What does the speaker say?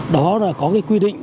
đó là có quy định